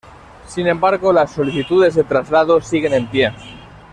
Sin embargo, las solicitudes de traslado siguen en pie.